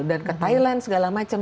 ke thailand segala macam